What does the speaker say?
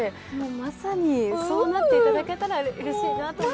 まさに、そうなっていただけたらうれしいなと思って。